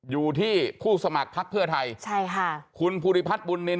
ผู้สมัครพักเพื่อไทยใช่ค่ะคุณภูริพัฒน์บุญนิน